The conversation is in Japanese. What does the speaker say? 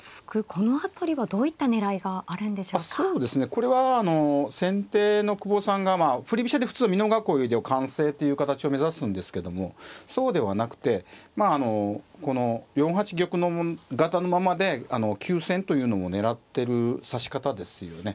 これはあの先手の久保さんが振り飛車で普通は美濃囲いを完成という形を目指すんですけどもそうではなくてこの４八玉型のままで急戦というのも狙ってる指し方ですよね。